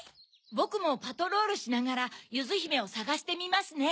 ぼくもパトロールしながらゆずひめをさがしてみますね。